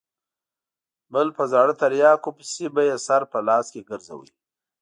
بل په زاړه تریاکو پسې به یې سر په لاس کې ګرځاوه.